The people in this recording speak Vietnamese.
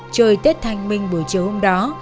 chơi tết thanh minh buổi chiều hôm đó